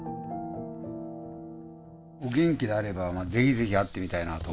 お元気であれば是非是非会ってみたいなと。